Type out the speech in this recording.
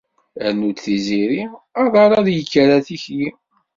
Rnu-d tiziri, aḍar ad yekker ar tikli.